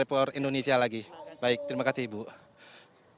tidak hanya di indonesia tapi juga di dunia tadi rekor yang sudah dipecahkan